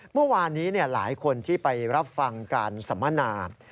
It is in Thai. เมื่อวานนี้หลายคนที่ไปรับฟังการสัมมนา